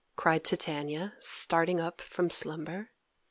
cried Titania, starting up from slumber.